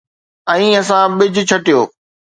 ۽ اسان ٻج ڇٽيو